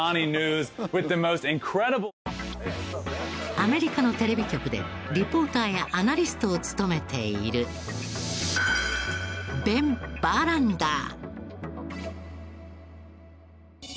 アメリカのテレビ局でリポーターやアナリストを務めているベン・バーランダー。